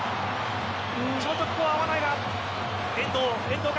ちょっと、ここは合わないか。